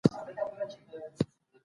هر انسان د خپل بدن د خوندیتوب حق لري.